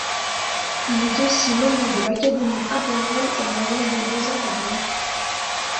Il est aussi membre de l'Académie impériale et royale des beaux-arts de Vienne.